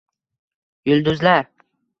Yulduzlar.